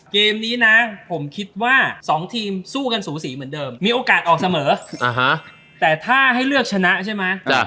เกมนี้นะผมคิดว่า๒ทีมสู้กันสูสีเหมือนเดิมมีโอกาสออกเสมอแต่ถ้าให้เลือกชนะใช่ไหม